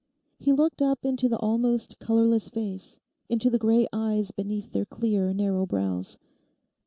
He looked up into the almost colourless face, into the grey eyes beneath their clear narrow brows.